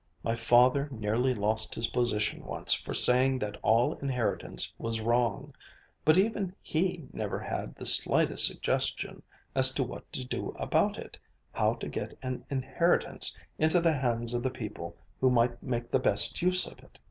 My father nearly lost his position once for saying that all inheritance was wrong. But even he never had the slightest suggestion as to what to do about it, how to get an inheritance into the hands of the people who might make the best use of it."